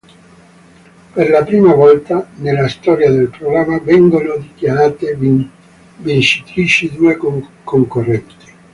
Per la prima volta nella storia del programma vengono dichiarate vincitrici due concorrenti.